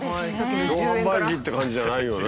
自動販売機って感じじゃないよね。